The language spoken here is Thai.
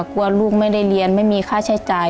กลัวลูกไม่ได้เรียนไม่มีค่าใช้จ่าย